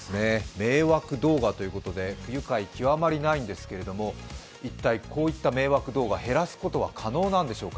迷惑動画ということで不愉快極まりないんですけれど一体こういった迷惑動画減らすことは可能なんでしょうか。